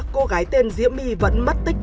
cô gái tên diễm my vẫn mất tích